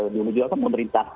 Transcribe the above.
dulu juga kan pemerintah